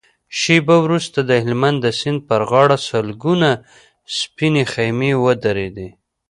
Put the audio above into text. شېبه وروسته د هلمند د سيند پر غاړه سلګونه سپينې خيمې ودرېدې.